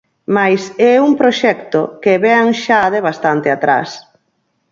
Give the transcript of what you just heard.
Mais é un proxecto que vén xa de bastante atrás.